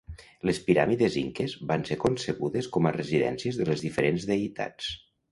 Les piràmides inques van ser concebudes com a residències de les diferents deïtats.